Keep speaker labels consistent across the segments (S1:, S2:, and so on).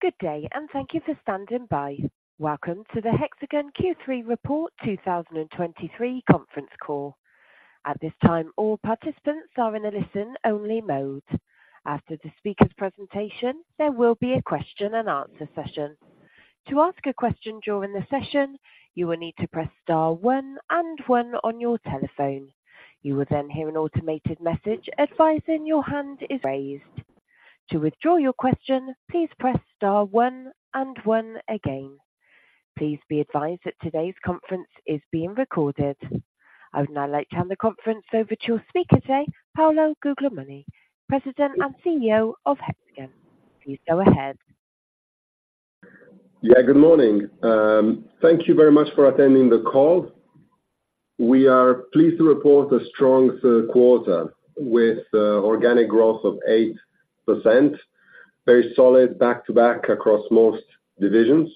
S1: Good day, and thank you for standing by. Welcome to the Hexagon Q3 Report 2023 Conference Call. At this time, all participants are in a listen-only mode. After the speaker's presentation, there will be a question-and-answer session. To ask a question during the session, you will need to press star one and one on your telephone. You will then hear an automated message advising your hand is raised. To withdraw your question, please press star one and one again. Please be advised that today's conference is being recorded. I would now like to hand the conference over to your speaker today, Paolo Guglielmini, President and CEO of Hexagon. Please go ahead.
S2: Yeah, good morning. Thank you very much for attending the call. We are pleased to report a strong third quarter, with organic growth of 8%, very solid back-to-back across most divisions.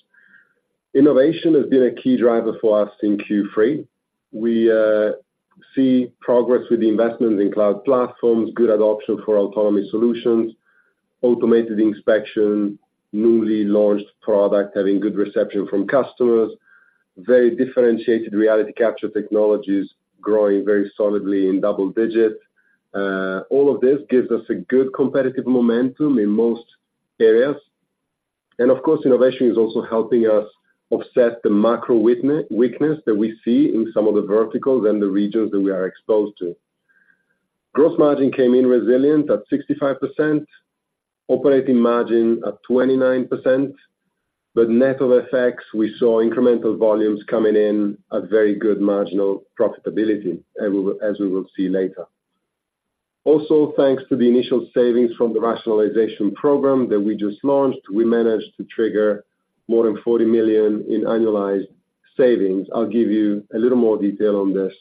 S2: Innovation has been a key driver for us in Q3. We see progress with the investments in cloud platforms, good adoption for autonomy solutions, automated inspection, newly launched product, having good reception from customers, very differentiated reality capture technologies, growing very solidly in double digits. All of this gives us a good competitive momentum in most areas. And of course, innovation is also helping us offset the macro weakness that we see in some of the verticals and the regions that we are exposed to. Gross margin came in resilient at 65%, operating margin at 29%, but net of effects, we saw incremental volumes coming in at very good marginal profitability, as we, as we will see later. Also, thanks to the initial savings from the rationalization program that we just launched, we managed to trigger more than 40 million in annualized savings. I'll give you a little more detail on this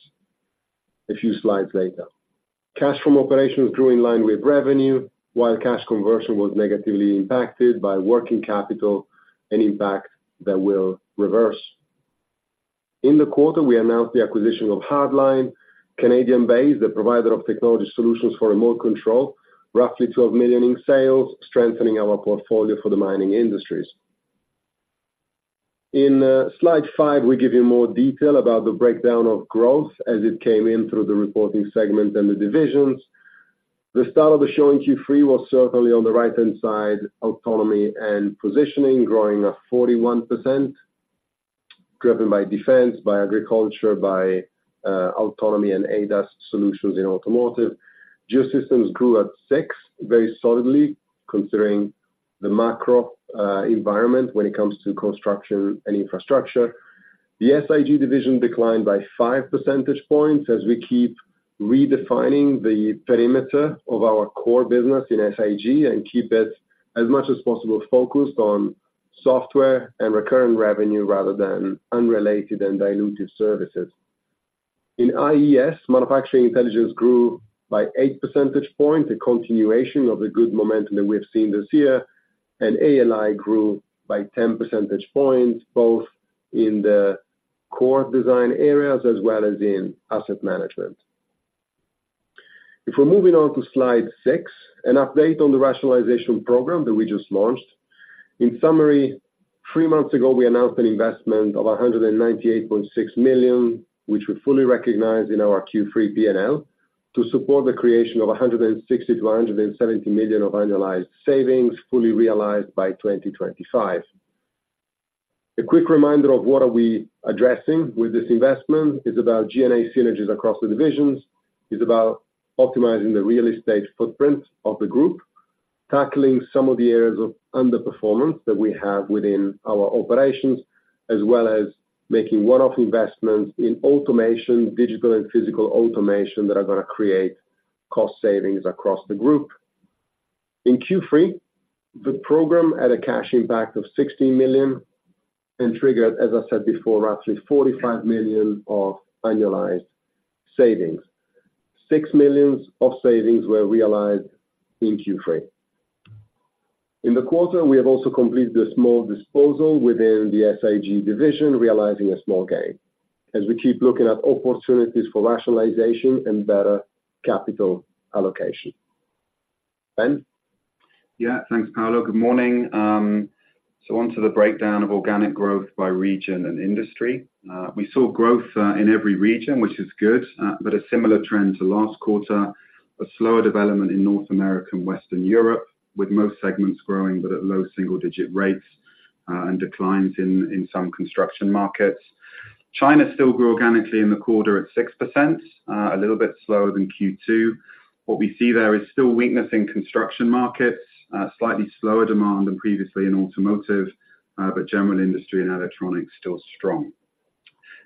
S2: a few slides later. Cash from operations grew in line with revenue, while cash conversion was negatively impacted by working capital, an impact that will reverse. In the quarter, we announced the acquisition of Hard-Line, Canadian-based, the provider of technology solutions for remote control, roughly 12 million in sales, strengthening our portfolio for the mining industries. In slide five, we give you more detail about the breakdown of growth as it came in through the reporting segment and the divisions. The star of the show in Q3 was certainly on the right-hand side, Autonomy & Positioning, growing at 41%, driven by defense, by agriculture, by autonomy and ADAS solutions in automotive. Geosystems grew at 6%, very solidly, considering the macro environment when it comes to construction and infrastructure. The SIG division declined by 5 percentage points as we keep redefining the perimeter of our core business in SIG and keep it, as much as possible, focused on software and recurring revenue rather than unrelated and dilutive services. In IES, manufacturing intelligence grew by 8 percentage points, a continuation of the good momentum that we've seen this year, and ALI grew by 10 percentage points, both in the core design areas as well as in asset management. If we're moving on to slide six, an update on the rationalization program that we just launched. In summary, three months ago, we announced an investment of 198.6 million, which we fully recognize in our Q3 P&L, to support the creation of 160 million-170 million of annualized savings, fully realized by 2025. A quick reminder of what are we addressing with this investment is about G&A synergies across the divisions. It's about optimizing the real estate footprint of the group, tackling some of the areas of underperformance that we have within our operations, as well as making one-off investments in automation, digital and physical automation that are gonna create cost savings across the group. In Q3, the program had a cash impact of 16 million and triggered, as I said before, roughly 45 million of annualized savings. 6 million of savings were realized in Q3. In the quarter, we have also completed a small disposal within the SIG division, realizing a small gain, as we keep looking at opportunities for rationalization and better capital allocation. Ben?
S3: Yeah, thanks, Paolo. Good morning. On to the breakdown of organic growth by region and industry. We saw growth in every region, which is good, but a similar trend to last quarter. A slower development in North America and Western Europe, with most segments growing, but at low single-digit rates, and declines in some construction markets. China still grew organically in the quarter at 6%, a little bit slower than Q2. What we see there is still weakness in construction markets, slightly slower demand than previously in automotive, but general industry and electronics still strong.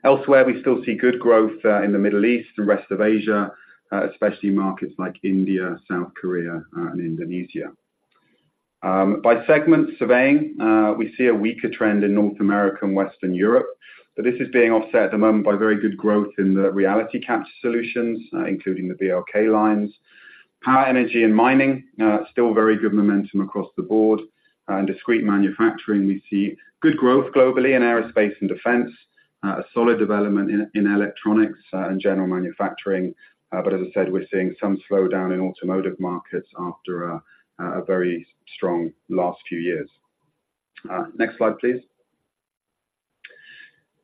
S3: Elsewhere, we still see good growth in the Middle East and rest of Asia, especially markets like India, South Korea, and Indonesia. By segment surveying, we see a weaker trend in North America and Western Europe, but this is being offset at the moment by very good growth in the reality capture solutions, including the BLK lines. Power, energy, and mining, still very good momentum across the board. In discrete manufacturing, we see good growth globally in aerospace and defense. A solid development in electronics and general manufacturing. But as I said, we're seeing some slowdown in automotive markets after a very strong last few years. Next slide, please.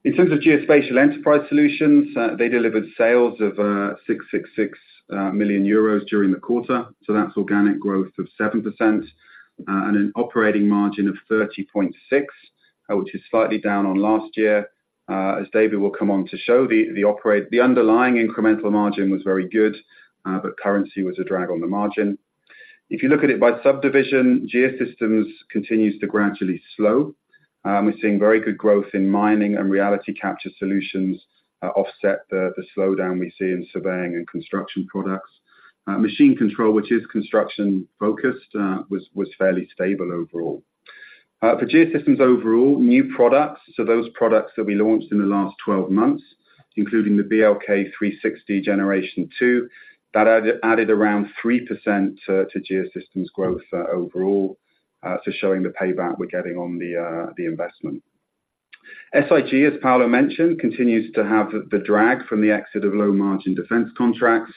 S3: In terms of Geospatial Enterprise Solutions, they delivered sales of 666 million euros during the quarter, so that's organic growth of 7%, and an operating margin of 30.6%, which is slightly down on last year. As David will come on to show, the underlying incremental margin was very good, but currency was a drag on the margin. If you look at it by subdivision, Geosystems continues to gradually slow. We're seeing very good growth in mining and reality capture solutions, offset the slowdown we see in surveying and construction products. Machine control, which is construction focused, was fairly stable overall. For Geosystems overall, new products, so those products that we launched in the last 12 months, including the BLK360 Gen 2, that added around 3% to Geosystems growth, overall, so showing the payback we're getting on the investment. SIG, as Paolo mentioned, continues to have the drag from the exit of low-margin defense contracts.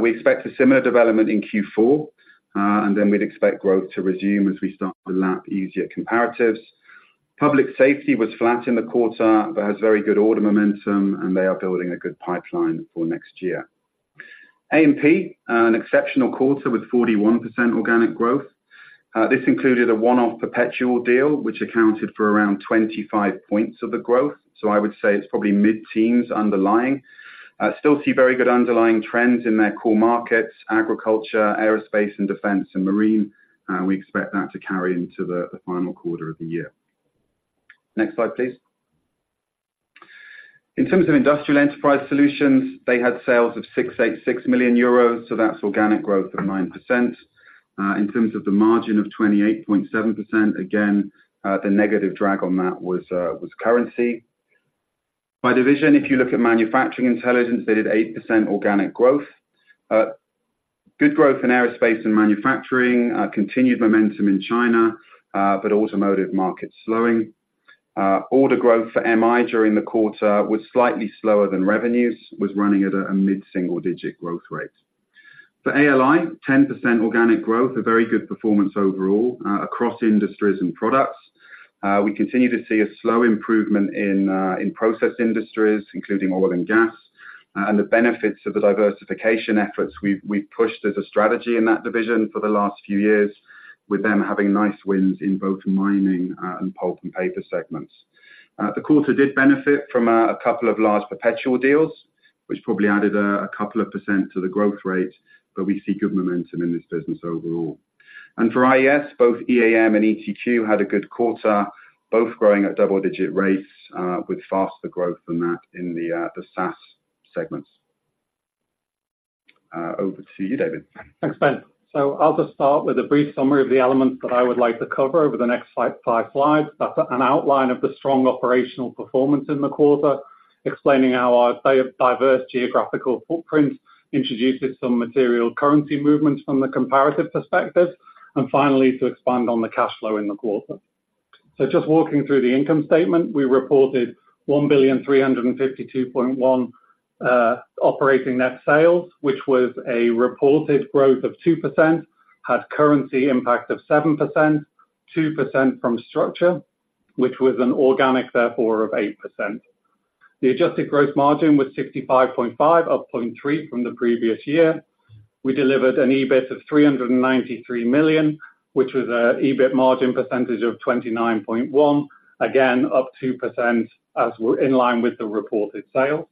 S3: We expect a similar development in Q4, and then we'd expect growth to resume as we start to lap easier comparatives. Public Safety was flat in the quarter, but has very good order momentum, and they are building a good pipeline for next year. A&P, an exceptional quarter with 41% organic growth. This included a one-off perpetual deal, which accounted for around 25 points of the growth. So I would say it's probably mid-teens underlying. Still see very good underlying trends in their core markets, agriculture, aerospace and defense, and marine, and we expect that to carry into the final quarter of the year. Next slide, please. In terms of Industrial Enterprise Solutions, they had sales of 686 million euros, so that's organic growth of 9%. In terms of the margin of 28.7%, again, the negative drag on that was currency. By division, if you look at Manufacturing Intelligence, they did 8% organic growth. Good growth in aerospace and manufacturing, continued momentum in China, but automotive markets slowing. Order growth for MI during the quarter was slightly slower than revenues, running at a mid-single digit growth rate. For ALI, 10% organic growth, a very good performance overall, across industries and products. We continue to see a slow improvement in process industries, including oil and gas, and the benefits of the diversification efforts we've pushed as a strategy in that division for the last few years, with them having nice wins in both mining and pulp and paper segments. The quarter did benefit from a couple of large perpetual deals, which probably added a couple of percent to the growth rate, but we see good momentum in this business overall. And for IES, both EAM and ETQ had a good quarter, both growing at double-digit rates, with faster growth than that in the SaaS segments. Over to you, David.
S4: Thanks, Ben. I'll just start with a brief summary of the elements that I would like to cover over the next five, five slides. That's an outline of the strong operational performance in the quarter, explaining how our diverse geographical footprint introduces some material currency movements from the comparative perspective, and finally, to expand on the cash flow in the quarter. Just walking through the income statement, we reported 1,352.1 million operating net sales, which was a reported growth of 2%, had currency impact of 7%, 2% from structure, which was an organic therefore of 8%. The adjusted growth margin was 65.5%, up 0.3 percentage points from the previous year. We delivered an EBIT of 393 million, which was an EBIT margin percentage of 29.1%. Again, up 2% as we're in line with the reported sale.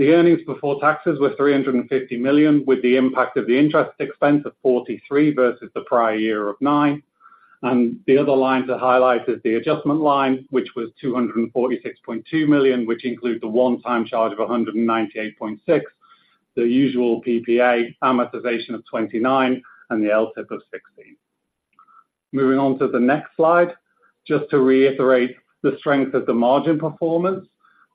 S4: The earnings before taxes were 350 million, with the impact of the interest expense of 43 million versus the prior year of 9 million. The other lines that highlight is the adjustment line, which was 246.2 million, which includes the one-time charge of 198.6 million, the usual PPA amortization of 29 million, and the LTIP of 16 million. Moving on to the next slide, just to reiterate the strength of the margin performance,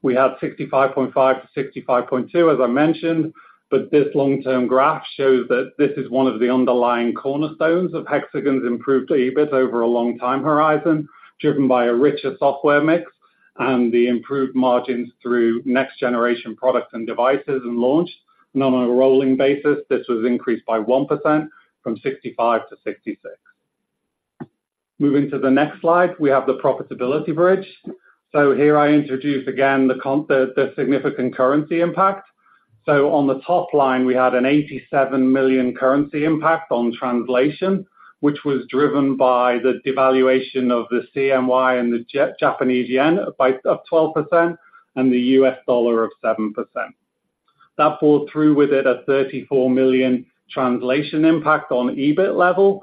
S4: we have 65.5%-65.2%, as I mentioned, but this long-term graph shows that this is one of the underlying cornerstones of Hexagon's improved EBIT over a long time horizon, driven by a richer software mix and the improved margins through next generation products and devices and launch. On a rolling basis, this was increased by 1% from 65% to 66%. Moving to the next slide, we have the profitability bridge. Here I introduce again the significant currency impact. On the top line, we had an 87 million currency impact on translation, which was driven by the devaluation of the CNY and the Japanese yen by up 12% and the U.S. dollar of 7%. That pulled through with it a 34 million translation impact on EBIT level.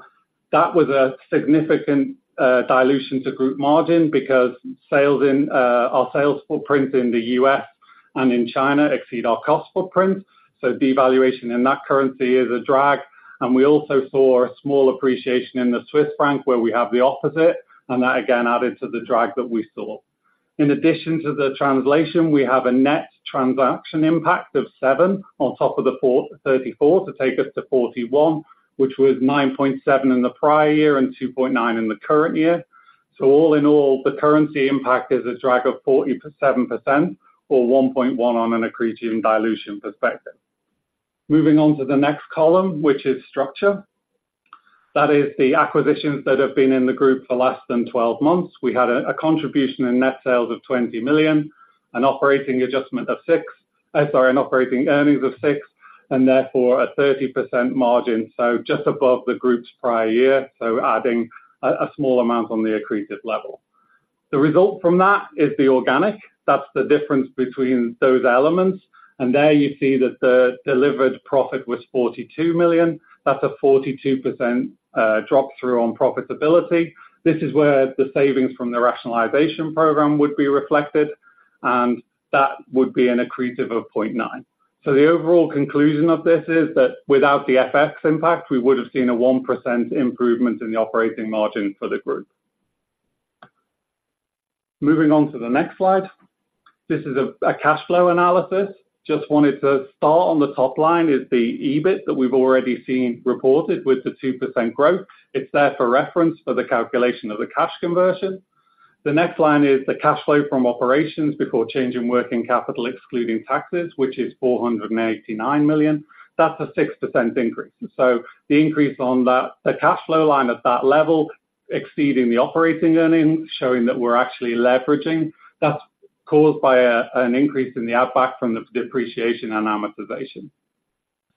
S4: That was a significant dilution to group margin because sales in our sales footprint in the U.S. and in China exceed our cost footprint, so devaluation in that currency is a drag. We also saw a small appreciation in the Swiss franc, where we have the opposite, and that again added to the drag that we saw. In addition to the translation, we have a net transaction impact of 7 on top of the 34 to take us to 41, which was 9.7 in the prior year and 2.9 in the current year. So all in all, the currency impact is a drag of 47% or 1.1 on an accretive dilution perspective. Moving on to the next column, which is structure. That is the acquisitions that have been in the group for less than 12 months. We had a contribution in net sales of 20 million, an operating adjustment of 6 million – sorry, an operating earnings of 6 million, and therefore, a 30% margin, so just above the group's prior year, so adding a small amount on the accretive level. The result from that is the organic. That's the difference between those elements, and there you see that the delivered profit was 42 million. That's a 42% drop through on profitability. This is where the savings from the rationalization program would be reflected, and that would be an accretive of 0.9. So the overall conclusion of this is that without the FX impact, we would have seen a 1% improvement in the operating margin for the group. Moving on to the next slide. This is a cash flow analysis. Just wanted to start on the top line is the EBIT that we've already seen reported with the 2% growth. It's there for reference for the calculation of the cash conversion. The next line is the cash flow from operations before change in working capital, excluding taxes, which is 489 million. That's a 6% increase. The increase on that, the cash flow line at that level, exceeding the operating earnings, showing that we're actually leveraging, that's caused by an increase in the outback from the depreciation and amortization.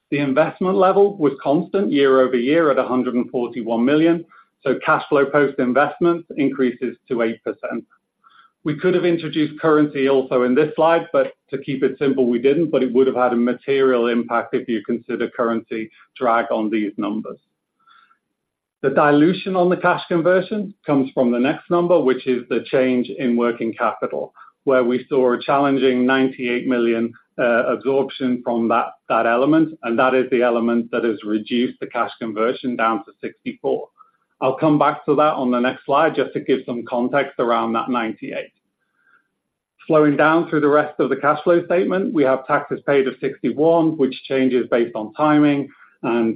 S4: The investment level was constant year-over-year at 141 million, so cash flow post-investment increases to 8%. We could have introduced currency also in this slide, but to keep it simple, we didn't, but it would have had a material impact if you consider currency drag on these numbers. The dilution on the cash conversion comes from the next number, which is the change in working capital, where we saw a challenging 98 million absorption from that element, and that is the element that has reduced the cash conversion down to 64. I'll come back to that on the next slide, just to give some context around that 98. Flowing down through the rest of the cash flow statement, we have taxes paid of 61, which changes based on timing and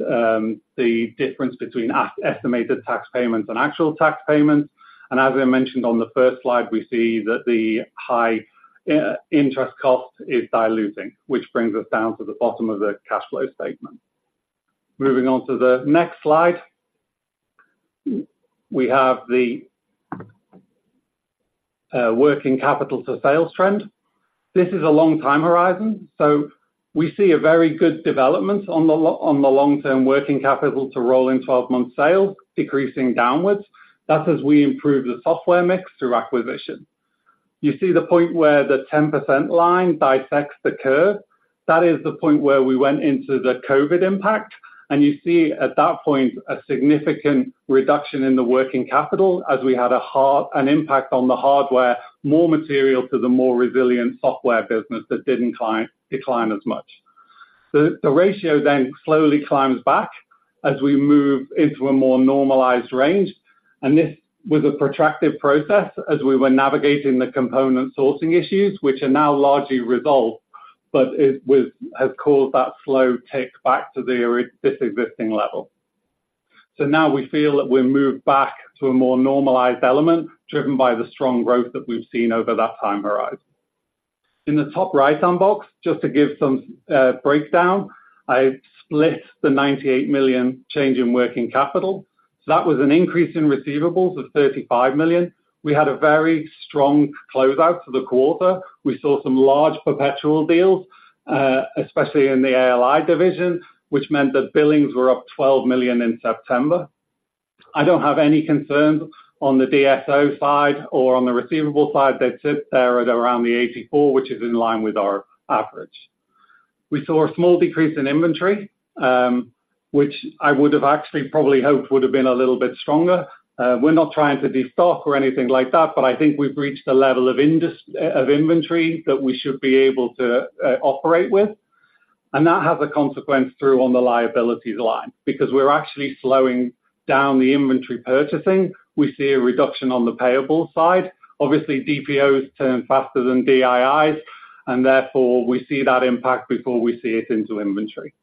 S4: the difference between as-estimated tax payments and actual tax payments. And as I mentioned on the first slide, we see that the high interest cost is diluting, which brings us down to the bottom of the cash flow statement. Moving on to the next slide. We have the working capital to sales trend. This is a long time horizon, so we see a very good development on the long-term working capital to rolling 12-month sales, decreasing downwards. That's as we improve the software mix through acquisition. You see the point where the 10% line bisects the curve? That is the point where we went into the COVID impact, and you see at that point, a significant reduction in the working capital as we had an impact on the hardware, more material to the more resilient software business that didn't decline as much. The ratio then slowly climbs back as we move into a more normalized range, and this was a protracted process as we were navigating the component sourcing issues, which are now largely resolved, but it has caused that slow tick back to this existing level. So now we feel that we're moved back to a more normalized element, driven by the strong growth that we've seen over that time horizon. In the top right-hand box, just to give some breakdown, I split the 98 million change in working capital. So that was an increase in receivables of 35 million. We had a very strong closeout to the quarter. We saw some large perpetual deals, especially in the ALI division, which meant that billings were up 12 million in September. I don't have any concerns on the DSO side or on the receivable side that sit there at around the 84, which is in line with our average. We saw a small decrease in inventory, which I would have actually probably hoped would have been a little bit stronger. We're not trying to de-stock or anything like that, but I think we've reached a level of inventory that we should be able to operate with. And that has a consequence through on the liabilities line. Because we're actually slowing down the inventory purchasing, we see a reduction on the payable side. Obviously, DPOs turn faster than DIIs, and therefore, we see that impact before we see it into inventory.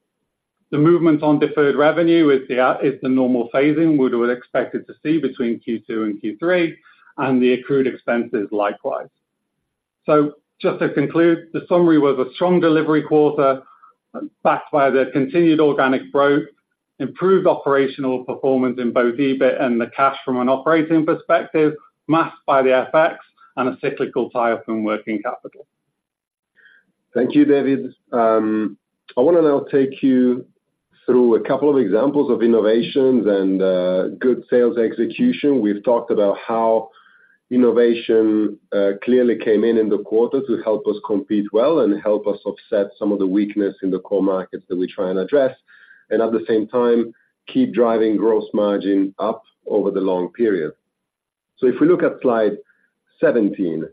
S4: The movement on deferred revenue is the normal phasing we would expected to see between Q2 and Q3, and the accrued expenses likewise. So just to conclude, the summary was a strong delivery quarter, backed by the continued organic growth, improved operational performance in both EBIT and the cash from an operating perspective, masked by the FX and a cyclical tie up in working capital.
S2: Thank you, David. I want to now take you through a couple of examples of innovations and good sales execution. We've talked about how innovation clearly came in in the quarter to help us compete well and help us offset some of the weakness in the core markets that we try and address, and at the same time, keep driving gross margin up over the long period. So if we look at slide 17,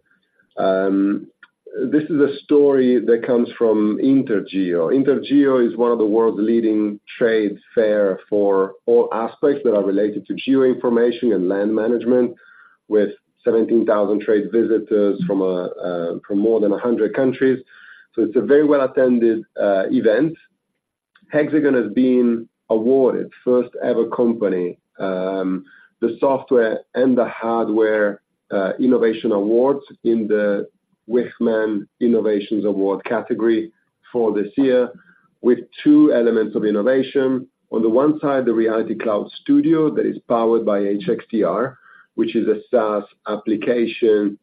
S2: this is a story that comes from INTERGEO. INTERGEO is one of the world's leading trade fair for all aspects that are related to geoinformation and land management, with 17,000 trade visitors from more than 100 countries. So it's a very well-attended event. Hexagon has been awarded first-ever company the Software and the Hardware Innovation Awards in the-... Wichmann Innovations Award category for this year, with two elements of innovation. On the one side, the Reality Cloud Studio that is powered by HxDR, which is a SaaS application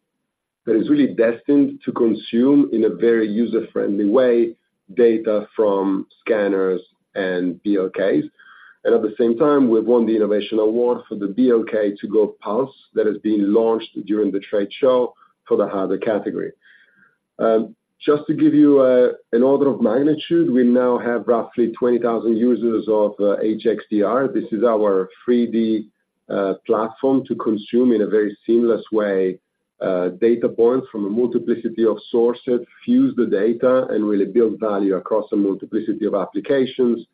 S2: that is really destined to consume, in a very user-friendly way, data from scanners and BLKs. And at the same time, we've won the Innovation Award for the BLK2GO PULSE that is being launched during the trade show for the harder category. Just to give you an order of magnitude, we now have roughly 20,000 users of HxDR. This is our 3D platform to consume, in a very seamless way, data points from a multiplicity of sources, fuse the data, and really build value across a multiplicity of applications,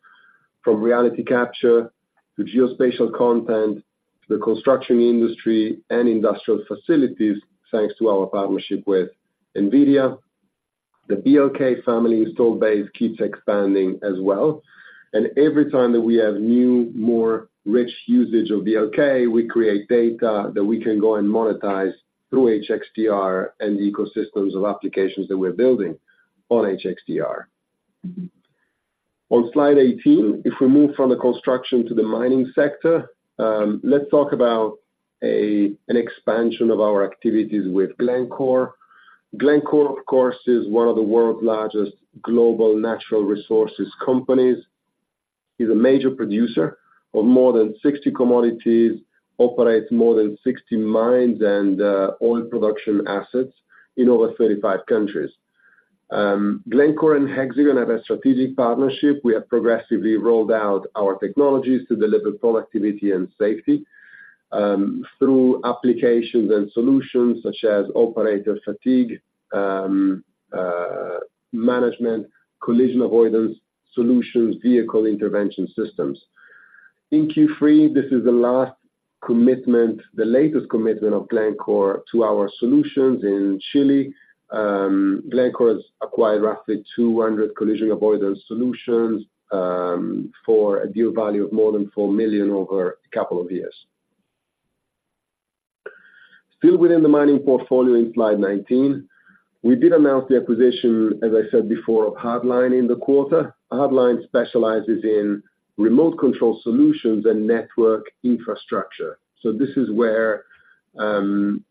S2: from reality capture to geospatial content, to the construction industry and industrial facilities, thanks to our partnership with NVIDIA. The BLK family install base keeps expanding as well, and every time that we have new, more rich usage of BLK, we create data that we can go and monetize through HxDR and the ecosystems of applications that we're building on HxDR. On slide 18, if we move from the construction to the mining sector, let's talk about an expansion of our activities with Glencore. Glencore, of course, is one of the world's largest global natural resources companies. It is a major producer of more than 60 commodities, operates more than 60 mines and oil production assets in over 35 countries. Glencore and Hexagon have a strategic partnership. We have progressively rolled out our technologies to deliver productivity and safety through applications and solutions such as operator fatigue management, collision avoidance solutions, vehicle intervention systems. In Q3, this is the last commitment, the latest commitment of Glencore to our solutions in Chile. Glencore has acquired roughly 200 collision avoidance solutions, for a deal value of more than 4 million over a couple of years. Still within the mining portfolio in slide 19, we did announce the acquisition, as I said before, of Hard-Line in the quarter. Hard-Line specializes in remote control solutions and network infrastructure. So this is where,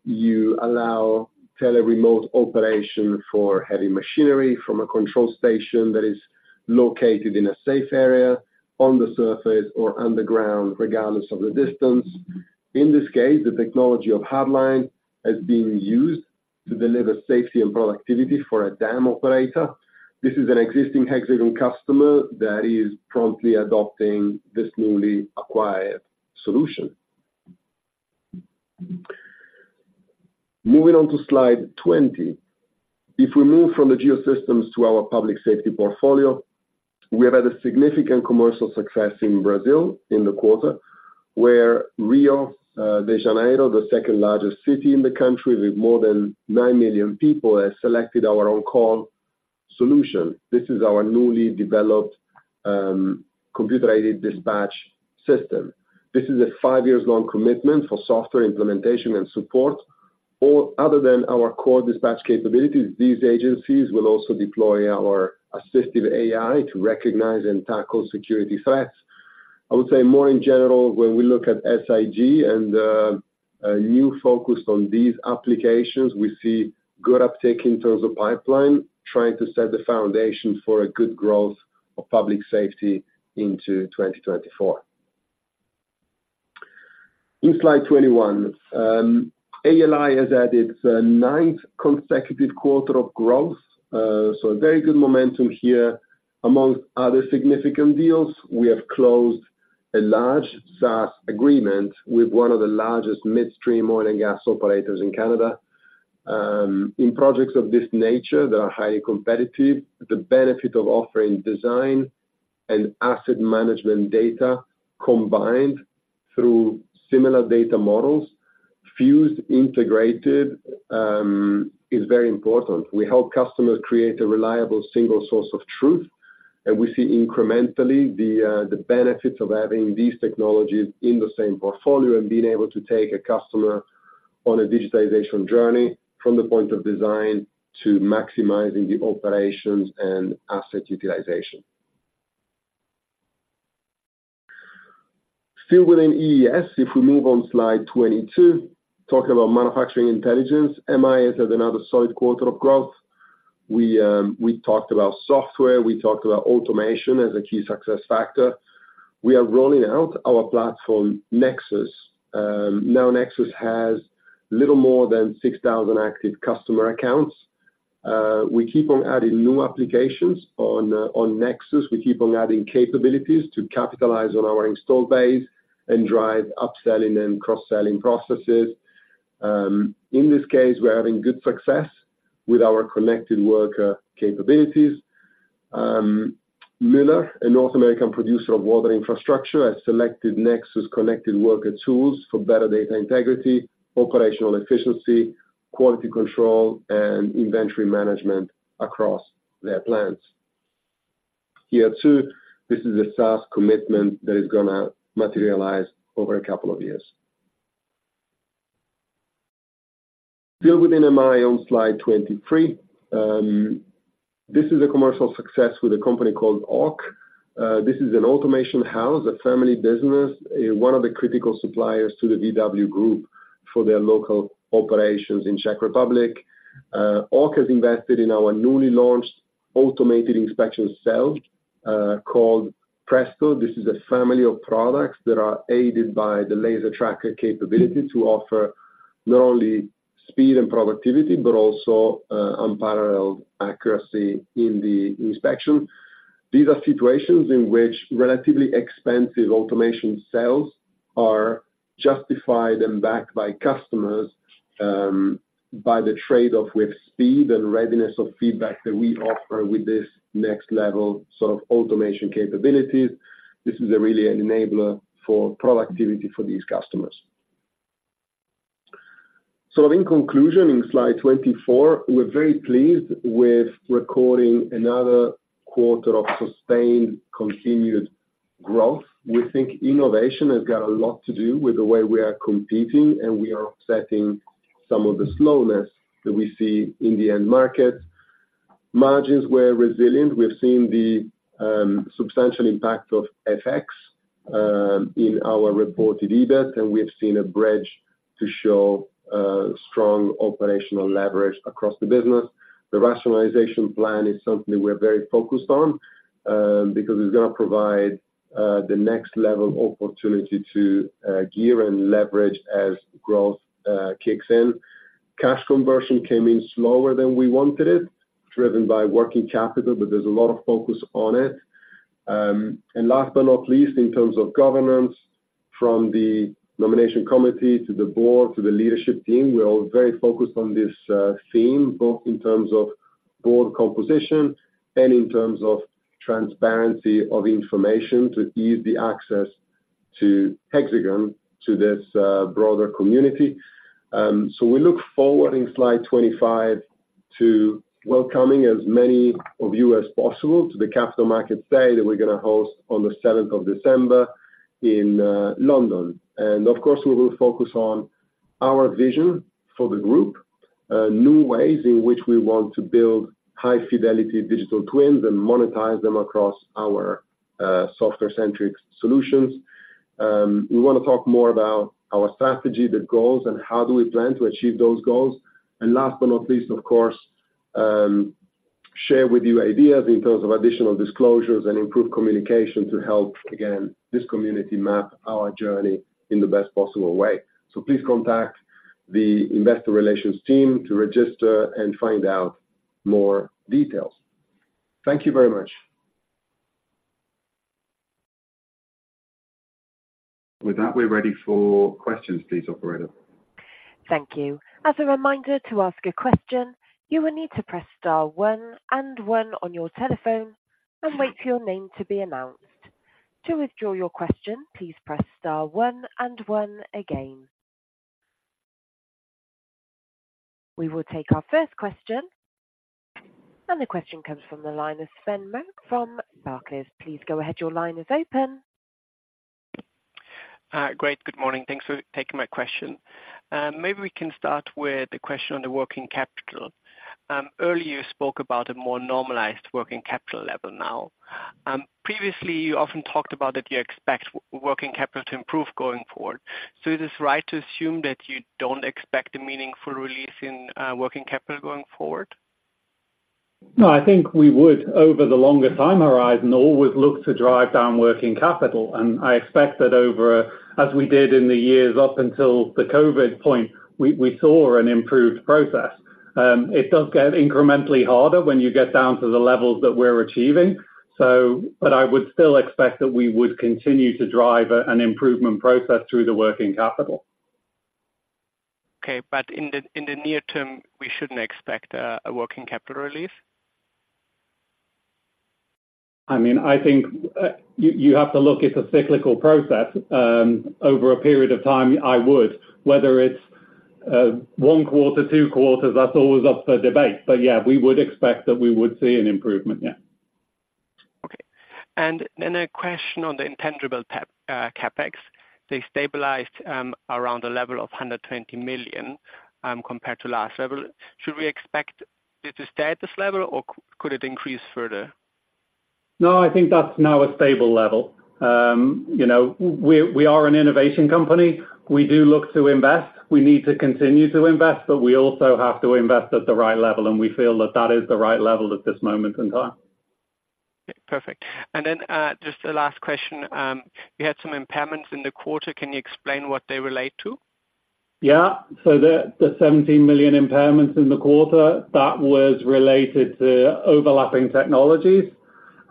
S2: you allow tele-remote operation for heavy machinery from a control station that is located in a safe area, on the surface or underground, regardless of the distance. In this case, the technology of Hard-Line has been used to deliver safety and productivity for a dam operator. This is an existing Hexagon customer that is promptly adopting this newly acquired solution. Moving on to slide 20. If we move from the Geosystems to our Public Safety portfolio, we have had a significant commercial success in Brazil in the quarter, where Rio de Janeiro, the second-largest city in the country, with more than nine million people, has selected our OnCall solution. This is our newly developed, computer-aided dispatch system. This is a five years long commitment for software implementation and support, or other than our core dispatch capabilities, these agencies will also deploy our assistive AI to recognize and tackle security threats. I would say more in general, when we look at SIG and, a new focus on these applications, we see good uptake in terms of pipeline, trying to set the foundation for a good growth of public safety into 2024. In slide 21, ALI has added a ninth consecutive quarter of growth, so a very good momentum here. Among other significant deals, we have closed a large SaaS agreement with one of the largest midstream oil and gas operators in Canada. In projects of this nature that are highly competitive, the benefit of offering design and asset management data combined through similar data models, fused, integrated, is very important. We help customers create a reliable, single source of truth, and we see incrementally the, the benefits of having these technologies in the same portfolio and being able to take a customer on a digitization journey from the point of design to maximizing the operations and asset utilization. Still within IES, if we move on slide 22, talk about manufacturing intelligence. MI has had another solid quarter of growth. We, we talked about software, we talked about automation as a key success factor. We are rolling out our platform, Nexus. Now Nexus has little more than 6,000 active customer accounts. We keep on adding new applications on Nexus. We keep on adding capabilities to capitalize on our install base and drive upselling and cross-selling processes. In this case, we're having good success with our connected worker capabilities. Mueller, a North American producer of water infrastructure, has selected Nexus Connected Worker tools for better data integrity, operational efficiency, quality control, and inventory management across their plants.... Year two, this is a SaaS commitment that is gonna materialize over a couple of years. Still within MI, on slide 23, this is a commercial success with a company called AuK. This is an automation house, a family business, one of the critical suppliers to the VW Group for their local operations in Czech Republic. AuK has invested in our newly launched automated inspection cell, called Presto. This is a family of products that are aided by the laser tracker capability to offer not only speed and productivity, but also, unparalleled accuracy in the inspection. These are situations in which relatively expensive automation cells are justified and backed by customers, by the trade-off with speed and readiness of feedback that we offer with this next level sort of automation capabilities. This is really an enabler for productivity for these customers. So in conclusion, in slide 24, we're very pleased with recording another quarter of sustained, continued growth. We think innovation has got a lot to do with the way we are competing, and we are offsetting some of the slowness that we see in the end market. Margins were resilient. We've seen the substantial impact of FX in our reported EBIT, and we have seen a bridge to show strong operational leverage across the business. The rationalization plan is something we're very focused on because it's gonna provide the next level of opportunity to gear and leverage as growth kicks in. Cash conversion came in slower than we wanted it, driven by working capital, but there's a lot of focus on it. And last but not least, in terms of governance, from the nomination committee to the board, to the leadership team, we are all very focused on this theme, both in terms of board composition and in terms of transparency of information, to ease the access to Hexagon to this broader community. So we look forward, in slide 25, to welcoming as many of you as possible to the Capital Markets Day that we're gonna host on the seventh of December in London. And of course, we will focus on our vision for the group, new ways in which we want to build high-fidelity digital twins and monetize them across our software-centric solutions. We wanna talk more about our strategy, the goals, and how do we plan to achieve those goals. And last but not least, of course, share with you ideas in terms of additional disclosures and improved communication to help, again, this community map our journey in the best possible way. So please contact the Investor Relations team to register and find out more details. Thank you very much. With that, we're ready for questions, please, operator.
S1: Thank you. As a reminder, to ask a question, you will need to press star one and one on your telephone, and wait for your name to be announced. To withdraw your question, please press star one and one again. We will take our first question, and the question comes from the line of Sven Merkt from Barclays. Please go ahead. Your line is open.
S5: Great. Good morning. Thanks for taking my question. Maybe we can start with the question on the working capital. Earlier, you spoke about a more normalized working capital level now. Previously, you often talked about that you expect working capital to improve going forward. So is this right to assume that you don't expect a meaningful release in working capital going forward?
S2: No, I think we would, over the longer time horizon, always look to drive down working capital, and I expect that over a… as we did in the years up until the COVID point, we saw an improved process. It does get incrementally harder when you get down to the levels that we're achieving, so, but I would still expect that we would continue to drive an improvement process through the working capital.
S5: Okay, but in the near term, we shouldn't expect a working capital relief?
S2: I mean, I think, you, you have to look, it's a cyclical process. Over a period of time, I would. Whether it's, one quarter, two quarters, that's always up for debate. But yeah, we would expect that we would see an improvement. Yeah.
S5: Okay. Then a question on the intangible CapEx. They stabilized around a level of 120 million compared to last level. Should we expect it to stay at this level, or could it increase further?
S4: No, I think that's now a stable level. You know, we are an innovation company. We do look to invest. We need to continue to invest, but we also have to invest at the right level, and we feel that that is the right level at this moment in time.
S5: Okay, perfect. And then, just a last question. We had some impairments in the quarter. Can you explain what they relate to?
S4: Yeah. So the 17 million impairments in the quarter, that was related to overlapping technologies,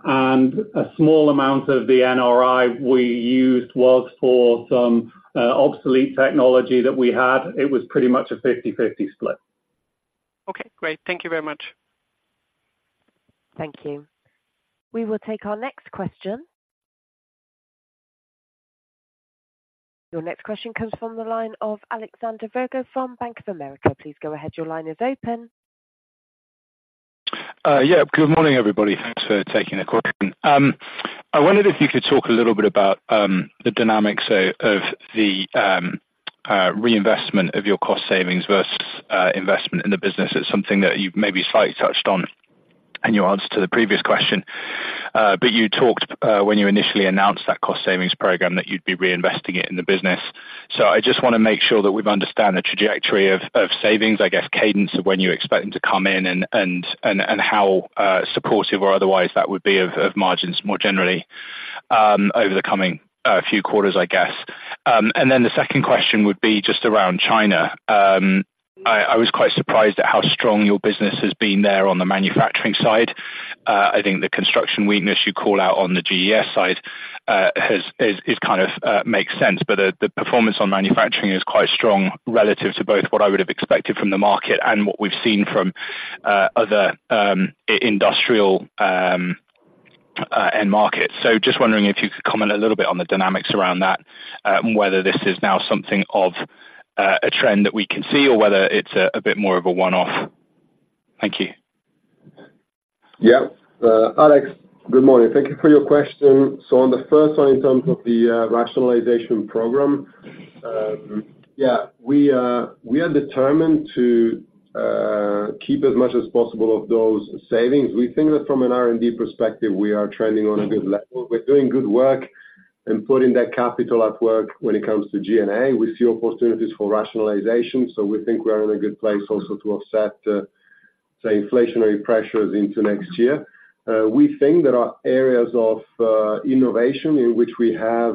S4: and a small amount of the NRI we used was for some obsolete technology that we had. It was pretty much a 50/50 split.
S5: Okay, great. Thank you very much.
S1: Thank you. We will take our next question. Your next question comes from the line of Alexander Virgo from Bank of America. Please go ahead. Your line is open.
S6: Yeah. Good morning, everybody. Thanks for taking the question. I wondered if you could talk a little bit about the dynamics of the reinvestment of your cost savings versus investment in the business. It's something that you've maybe slightly touched on in your answer to the previous question, but you talked when you initially announced that cost savings program that you'd be reinvesting it in the business. So I just wanna make sure that we understand the trajectory of savings, I guess, cadence of when you expect them to come in and how supportive or otherwise that would be of margins more generally over the coming few quarters, I guess. And then the second question would be just around China. I was quite surprised at how strong your business has been there on the manufacturing side. I think the construction weakness you call out on the GES side is kind of makes sense, but the performance on manufacturing is quite strong relative to both what I would have expected from the market and what we've seen from other industrial end markets. So just wondering if you could comment a little bit on the dynamics around that, and whether this is now something of a trend that we can see, or whether it's a bit more of a one-off. Thank you.
S2: Yeah. Alex, good morning. Thank you for your question. So on the first one, in terms of the rationalization program, we are determined to keep as much as possible of those savings. We think that from an R&D perspective, we are trending on a good level. We're doing good work and putting that capital at work when it comes to G&A. We see opportunities for rationalization, so we think we are in a good place also to offset the inflationary pressures into next year. We think there are areas of innovation in which we have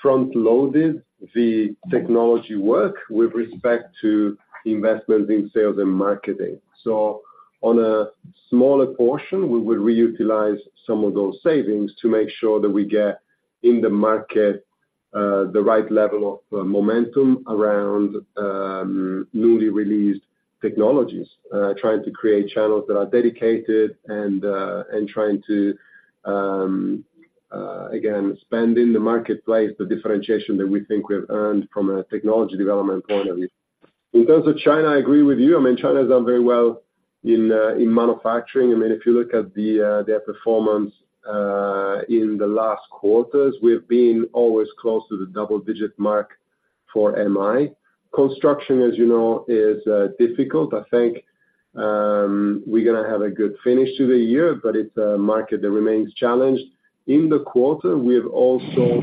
S2: front-loaded the technology work with respect to investments in sales and marketing. So on a smaller portion, we will re-utilize some of those savings to make sure that we get in the market the right level of momentum around newly released technologies. Trying to create channels that are dedicated and, and trying to, again, spend in the marketplace the differentiation that we think we've earned from a technology development point of view. In terms of China, I agree with you. I mean, China has done very well in, in manufacturing. I mean, if you look at their performance in the last quarters, we've been always close to the double digit mark for MI. Construction, as you know, is difficult. I think, we're gonna have a good finish to the year, but it's a market that remains challenged. In the quarter, we have also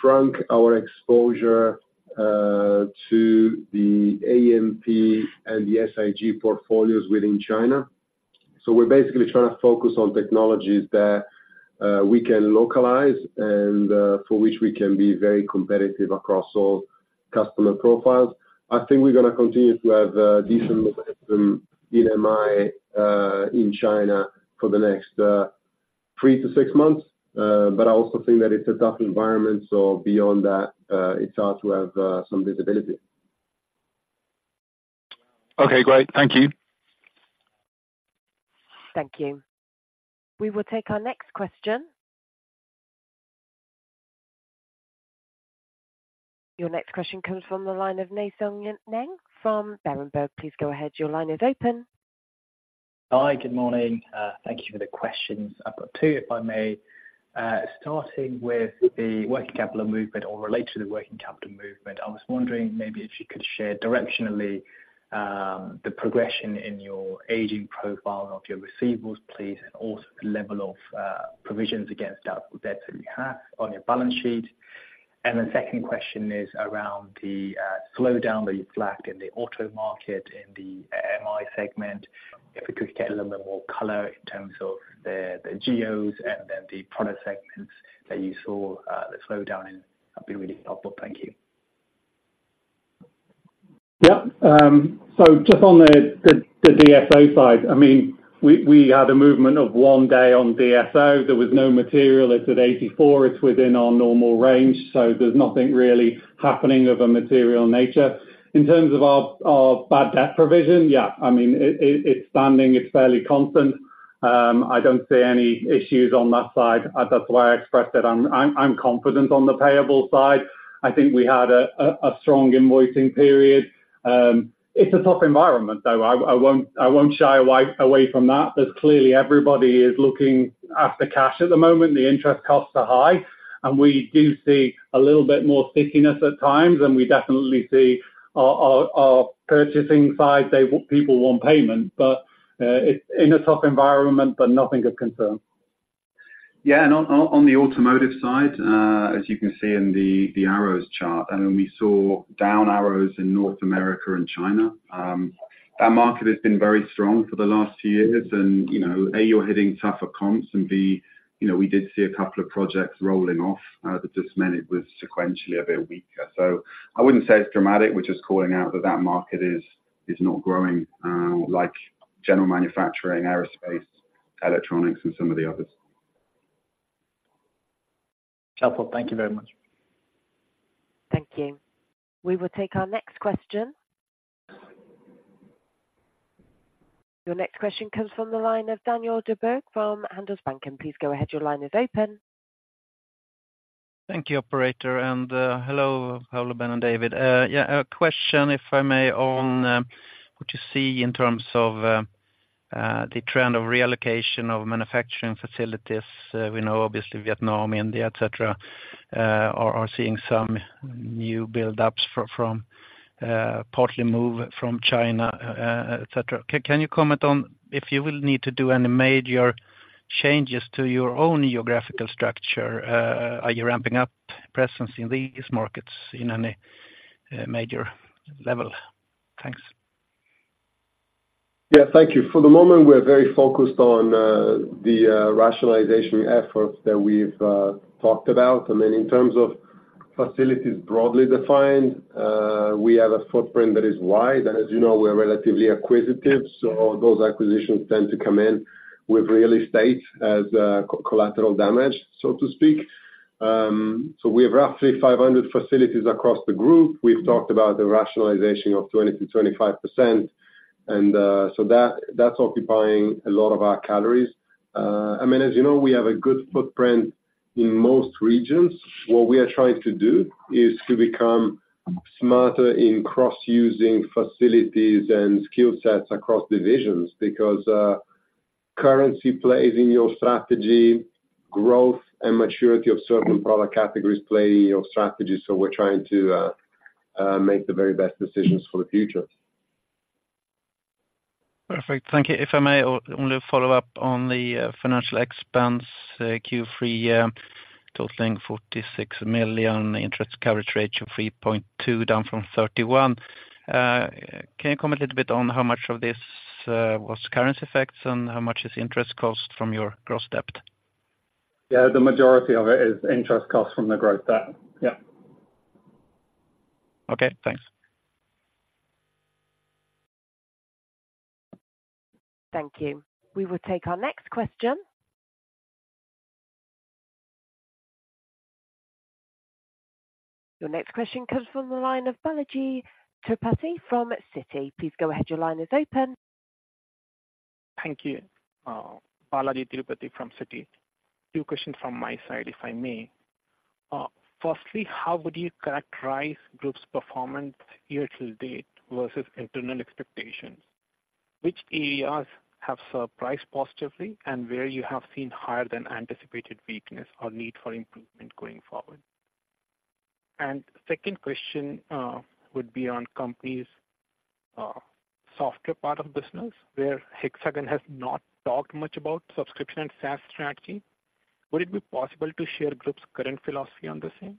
S2: shrunk our exposure to the AMP and the SIG portfolios within China. So we're basically trying to focus on technologies that we can localize and for which we can be very competitive across all customer profiles. I think we're gonna continue to have decent in MI in China for the next three-six months, but I also think that it's a tough environment, so beyond that, it's hard to have some visibility.
S6: Okay, great. Thank you.
S1: Thank you. We will take our next question. Your next question comes from the line of Nay Soe Naing from Berenberg. Please go ahead. Your line is open.
S7: Hi, good morning. Thank you for the questions. I've got two, if I may. Starting with the working capital movement or related to the working capital movement, I was wondering maybe if you could share directionally the progression in your aging profile of your receivables, please, and also the level of provisions against that that you have on your balance sheet. The second question is around the slowdown that you flagged in the auto market in the MI segment. If we could get a little bit more color in terms of the, the geos and then the product segments that you saw the slowdown in, that'd be really helpful. Thank you.
S4: Yeah. So just on the DSO side, I mean, we had a movement of one day on DSO. There was no material. It's at 84. It's within our normal range, so there's nothing really happening of a material nature. In terms of our bad debt provision, yeah, I mean, it's standing, it's fairly constant. I don't see any issues on that side. That's why I expressed that I'm confident on the payable side. I think we had a strong invoicing period. It's a tough environment, though. I won't shy away from that, as clearly everybody is looking after cash at the moment, the interest costs are high, and we do see a little bit more stickiness at times, and we definitely see our purchasing side, they... People want payment, but it's in a tough environment, but nothing of concern.
S3: Yeah, and on the automotive side, as you can see in the arrows chart, I mean, we saw down arrows in North America and China. That market has been very strong for the last few years, and, you know, A, you're hitting tougher comps, and B, you know, we did see a couple of projects rolling off, that just meant it was sequentially a bit weaker. So I wouldn't say it's dramatic. We're just calling out that that market is not growing, like general manufacturing, aerospace, electronics, and some of the others.
S7: Thank you very much.
S1: Thank you. We will take our next question. Your next question comes from the line of Daniel Djurberg from Handelsbanken. Please go ahead. Your line is open.
S8: Thank you, operator, and hello, Paolo, Ben, and David. Yeah, a question, if I may, on what you see in terms of the trend of reallocation of manufacturing facilities. We know obviously Vietnam, India, et cetera, are seeing some new buildups from partly move from China, et cetera. Can you comment on if you will need to do any major changes to your own geographical structure? Are you ramping up presence in these markets in any major level? Thanks.
S2: Yeah, thank you. For the moment, we're very focused on the rationalization efforts that we've talked about. I mean, in terms of facilities broadly defined, we have a footprint that is wide, and as you know, we're relatively acquisitive, so those acquisitions tend to come in with real estate as collateral damage, so to speak. So we have roughly 500 facilities across the group. We've talked about the rationalization of 20%-25%, and so that, that's occupying a lot of our calories. I mean, as you know, we have a good footprint in most regions. What we are trying to do is to become smarter in cross-using facilities and skill sets across divisions, because currency plays in your strategy, growth and maturity of certain product categories play in your strategy, so we're trying to make the very best decisions for the future.
S8: Perfect. Thank you. If I may, only follow up on the financial expenses, Q3, totaling 46 million, interest coverage rate of 3.2, down from 31. Can you comment a little bit on how much of this was currency effects and how much is interest cost from your gross debt?
S2: Yeah, the majority of it is interest cost from the gross debt. Yeah.
S8: Okay, thanks.
S1: Thank you. We will take our next question. Your next question comes from the line of Balajee Tirupati from Citi. Please go ahead. Your line is open.
S9: Thank you. Balajee Tirupati from Citi. Two questions from my side, if I may. Firstly, how would you characterize group's performance year-to-date versus internal expectations? Which areas have surprised positively, and where you have seen higher than anticipated weakness or need for improvement going forward? And second question, would be on company's software part of business, where Hexagon has not talked much about subscription and SaaS strategy. Would it be possible to share group's current philosophy on the same?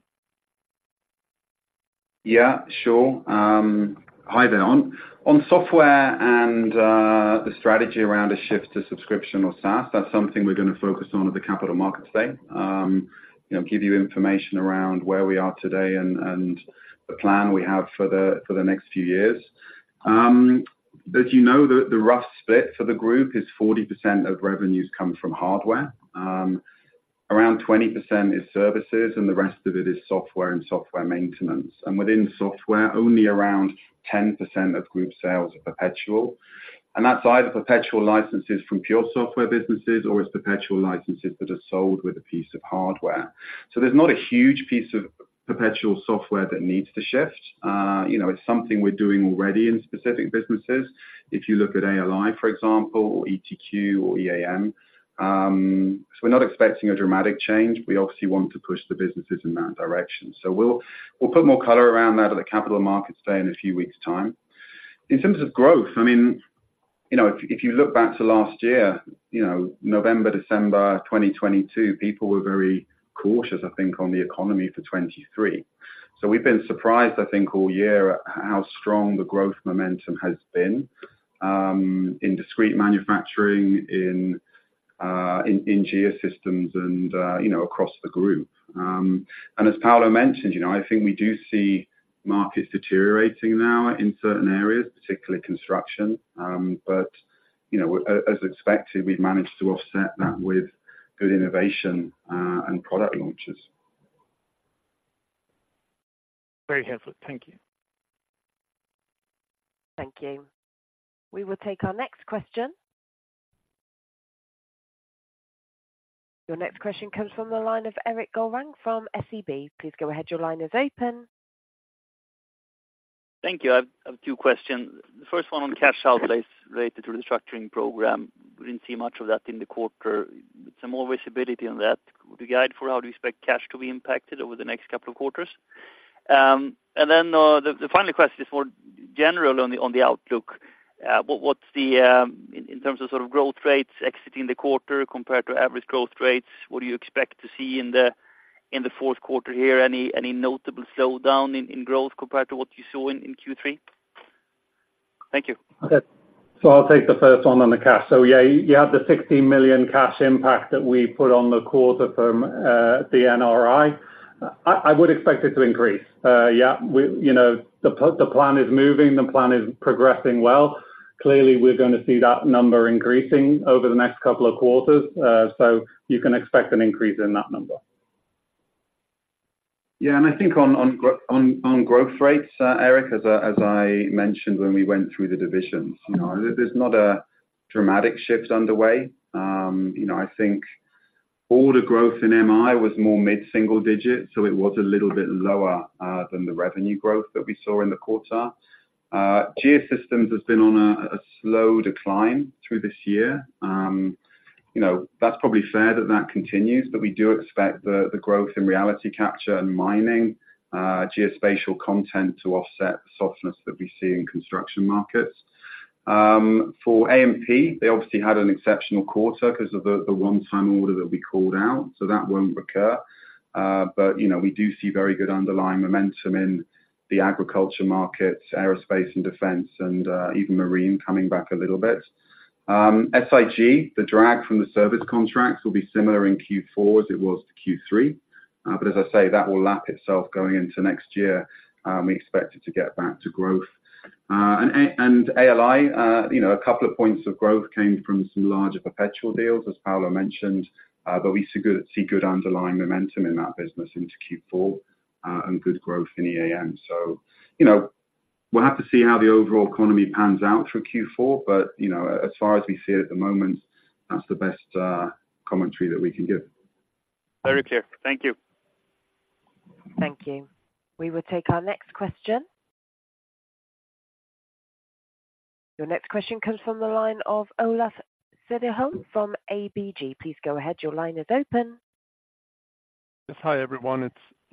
S3: Yeah, sure. Hi there. On software and the strategy around a shift to subscription or SaaS, that's something we're gonna focus on at the Capital Markets Day. You know, give you information around where we are today and the plan we have for the next few years. As you know, the rough split for the group is 40% of revenues come from hardware. Around 20% is services, and the rest of it is software and software maintenance. And within software, only around 10% of group sales are perpetual. And that's either perpetual licenses from pure software businesses or it's perpetual licenses that are sold with a piece of hardware. So there's not a huge piece of perpetual software that needs to shift. You know, it's something we're doing already in specific businesses. If you look at ALI, for example, or ETQ or EAM. So we're not expecting a dramatic change. We obviously want to push the businesses in that direction. So we'll, we'll put more color around that at the Capital Markets Day in a few weeks' time. In terms of growth, I mean, you know, if, if you look back to last year, you know, November, December 2022, people were very cautious, I think, on the economy for 2023. So we've been surprised, I think, all year at how strong the growth momentum has been, in discrete manufacturing, in Geosystems and, you know, across the group. And as Paolo mentioned, you know, I think we do see markets deteriorating now in certain areas, particularly construction. But, you know, as expected, we've managed to offset that with good innovation, and product launches.
S9: Very helpful. Thank you.
S1: Thank you. We will take our next question. Your next question comes from the line of Erik Golrang from SEB. Please go ahead. Your line is open.
S10: Thank you. I have two questions. The first one on cash outlays related to the structuring program. We didn't see much of that in the quarter. Some more visibility on that. Would you guide for how do you expect cash to be impacted over the next couple of quarters? And then, the final question is more general on the outlook. What’s the, in terms of sort of growth rates exiting the quarter compared to average growth rates, what do you expect to see in the fourth quarter here? Any notable slowdown in growth compared to what you saw in Q3? Thank you.
S2: Okay. So I'll take the first one on the cash. So yeah, you had the 16 million cash impact that we put on the quarter from the NRI. I would expect it to increase. Yeah, you know, the plan is moving, the plan is progressing well. Clearly, we're gonna see that number increasing over the next couple of quarters, so you can expect an increase in that number....
S3: Yeah, and I think on growth rates, Eric, as I mentioned when we went through the divisions, you know, there's not a dramatic shift underway. You know, I think order growth in MI was more mid-single digit, so it was a little bit lower than the revenue growth that we saw in the quarter. Geosystems has been on a slow decline through this year. You know, that's probably fair that that continues, but we do expect the growth in reality capture and mining, geospatial content to offset the softness that we see in construction markets. For A&P, they obviously had an exceptional quarter 'cause of the one-time order that we called out, so that won't recur. But, you know, we do see very good underlying momentum in the agriculture markets, aerospace and defense, and even marine coming back a little bit. SIG, the drag from the service contracts will be similar in Q4 as it was to Q3. But as I say, that will lap itself going into next year, we expect it to get back to growth. And ALI, you know, a couple of points of growth came from some larger perpetual deals, as Paolo mentioned. But we see good, see good underlying momentum in that business into Q4, and good growth in EAM. So, you know, we'll have to see how the overall economy pans out for Q4, but, you know, as far as we see it at the moment, that's the best commentary that we can give.
S11: Very clear. Thank you.
S1: Thank you. We will take our next question. Your next question comes from the line of Olof Cederholm from ABG. Please go ahead. Your line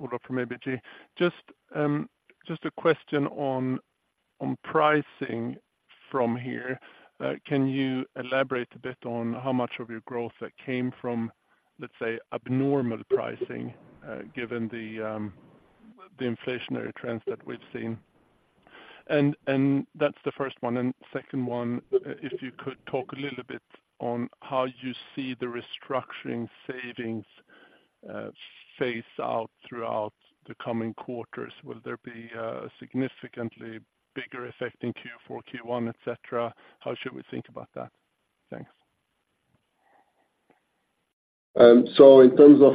S1: is open.
S12: Yes, hi, everyone. It's Olof from ABG. Just, just a question on, on pricing from here. Can you elaborate a bit on how much of your growth that came from, let's say, abnormal pricing, given the, the inflationary trends that we've seen? And, and that's the first one. And second one, if you could talk a little bit on how you see the restructuring savings, phase out throughout the coming quarters. Will there be a significantly bigger effect in Q4, Q1, et cetera? How should we think about that? Thanks.
S2: So in terms of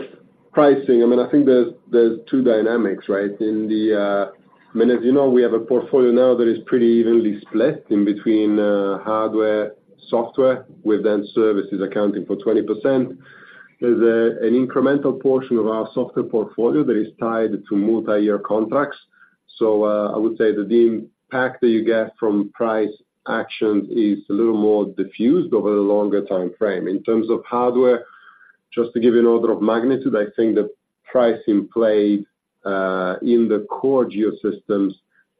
S2: pricing, I mean, I think there's, there's two dynamics, right? In the, I mean, as you know, we have a portfolio now that is pretty evenly split in between, hardware, software, with then services accounting for 20%. There's a, an incremental portion of our software portfolio that is tied to multi-year contracts. So, I would say that the impact that you get from price action is a little more diffused over a longer timeframe. In terms of hardware, just to give you an order of magnitude, I think the price in play, in the core Geosystems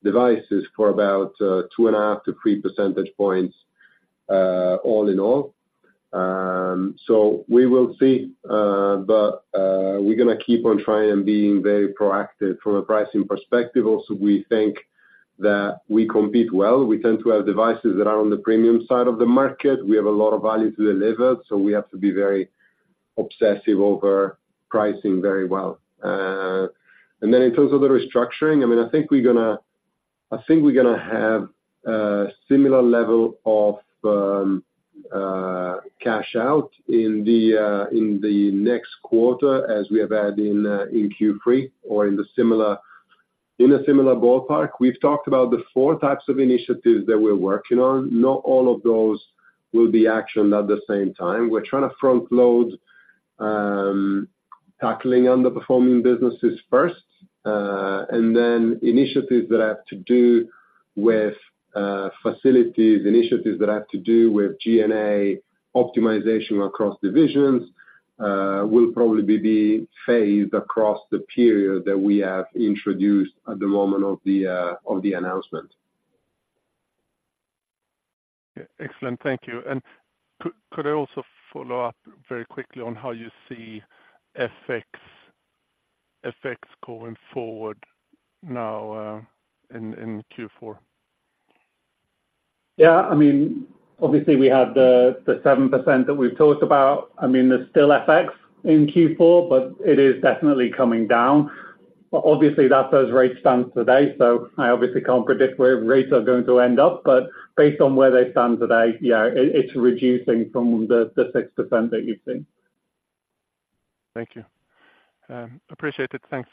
S2: devices for about, two and a half to three percentage points, all in all. So we will see, but, we're gonna keep on trying and being very proactive from a pricing perspective. Also, we think that we compete well. We tend to have devices that are on the premium side of the market. We have a lot of value to deliver, so we have to be very obsessive over pricing very well. And then in terms of the restructuring, I mean, I think we're gonna, I think we're gonna have a similar level of cash out in the next quarter as we have had in Q3, or in the similar, in a similar ballpark. We've talked about the four types of initiatives that we're working on. Not all of those will be actioned at the same time. We're trying to front-load tackling underperforming businesses first, and then initiatives that have to do with facilities, initiatives that have to do with G&A optimization across divisions, will probably be the phase across the period that we have introduced at the moment of the announcement.
S12: Okay. Excellent. Thank you. Could I also follow up very quickly on how you see FX going forward now, in Q4?
S3: Yeah. I mean, obviously we have the, the 7% that we've talked about. I mean, there's still FX in Q4, but it is definitely coming down. Obviously, that's as rate stands today, so I obviously can't predict where rates are going to end up. But based on where they stand today, yeah, it, it's reducing from the, the 6% that you've seen.
S12: Thank you. Appreciate it. Thanks.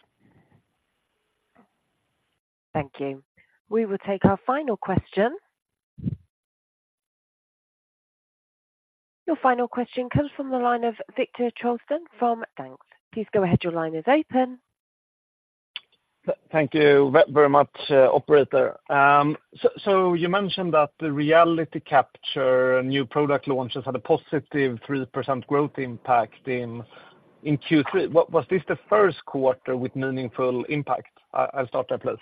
S1: Thank you. We will take our final question. Your final question comes from the line of Viktor Trollsten from Danske Bank. Please go ahead, your line is open.
S11: Thank you very much, operator. So you mentioned that the reality capture new product launches had a positive 3% growth impact in Q3. Was this the first quarter with meaningful impact? I'll start there, please.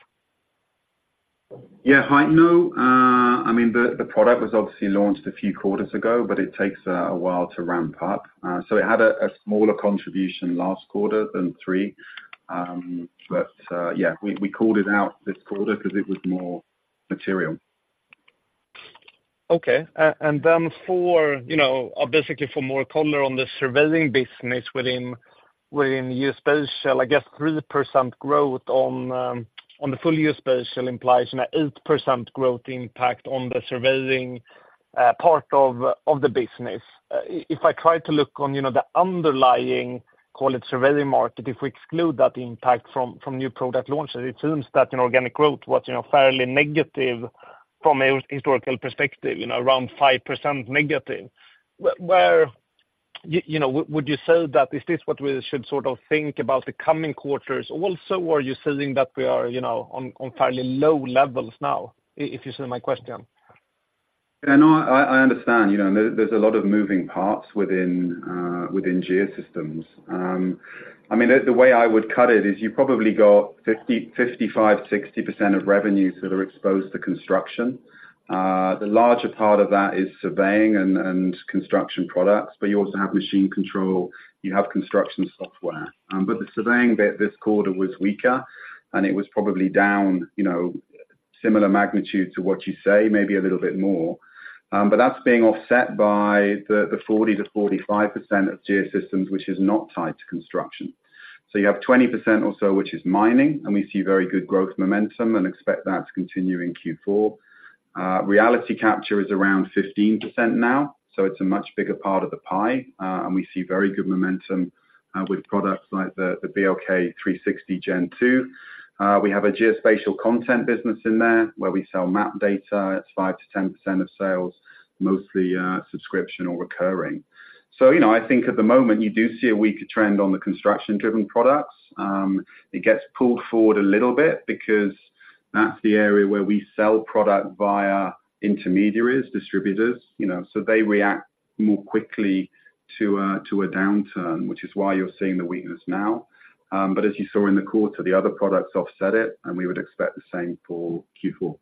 S2: Yeah, I know, I mean, the product was obviously launched a few quarters ago, but it takes a while to ramp up. So it had a smaller contribution last quarter than three. But yeah, we called it out this quarter because it was more material.
S11: Okay. And then for, you know, basically for more color on the surveying business within geospatial, I guess 3% growth on the full geospatial implies an 8% growth impact on the surveying part of the business. If I try to look on, you know, the underlying, call it surveying market, if we exclude that impact from new product launches, it seems that in organic growth was, you know, fairly negative from a historical perspective, you know, around 5% negative. Where, you know, would you say that is this what we should sort of think about the coming quarters also, or are you saying that we are, you know, on fairly low levels now? If you see my question.
S3: I know, I understand. You know, there's a lot of moving parts within Geosystems. I mean, the way I would cut it is you probably got 50%, 55%, 60% of revenues that are exposed to construction. The larger part of that is surveying and construction products, but you also have machine control, you have construction software. But the surveying bit this quarter was weaker, and it was probably down, you know, similar magnitude to what you say, maybe a little bit more. But that's being offset by the 40%-45% of Geosystems, which is not tied to construction. So you have 20% or so, which is mining, and we see very good growth momentum and expect that to continue in Q4. Reality capture is around 15% now, so it's a much bigger part of the pie, and we see very good momentum with products like the BLK360 Gen 2. We have a geospatial content business in there, where we sell map data. It's 5%-10% of sales, mostly subscription or recurring. So, you know, I think at the moment, you do see a weaker trend on the construction-driven products. It gets pulled forward a little bit because that's the area where we sell product via intermediaries, distributors, you know, so they react more quickly to a downturn, which is why you're seeing the weakness now. But as you saw in the quarter, the other products offset it, and we would expect the same for Q4.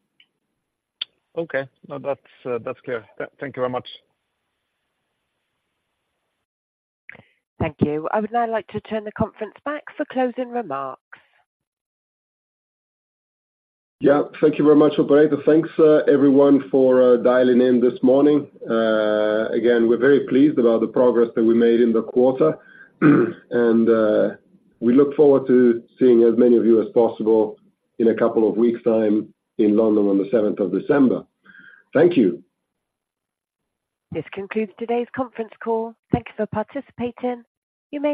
S11: Okay. No, that's, that's clear. Thank you very much.
S1: Thank you. I would now like to turn the conference back for closing remarks.
S3: Yeah. Thank you very much, operator. Thanks, everyone, for dialing in this morning. Again, we're very pleased about the progress that we made in the quarter, and we look forward to seeing as many of you as possible in a couple of weeks' time in London on the seventh of December. Thank you.
S1: This concludes today's conference call. Thank you for participating. You may-